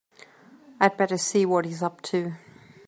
I'd better see what he's up to.